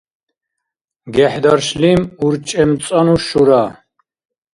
гехӀдаршлим урчӀемцӀанну шура